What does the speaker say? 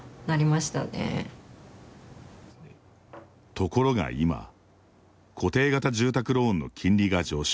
ところが、今固定型住宅ローンの金利が上昇。